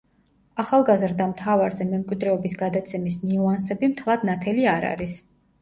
ახალგაზრდა მთავარზე მემკვიდრეობის გადაცემის ნიუანსები მთლად ნათელი არ არის.